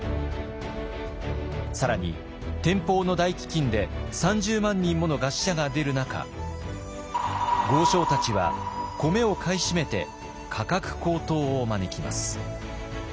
更に天保の大飢饉で３０万人もの餓死者が出る中豪商たちは米を買い占めて価格高騰を招きます。